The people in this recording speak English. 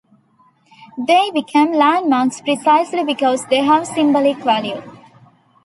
They become landmarks precisely because they have symbolic value.